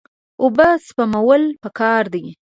اوبه سپمول پکار دي.